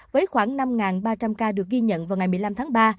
với khoảng năm ba trăm linh ca được ghi nhận vào ngày một mươi năm tháng ba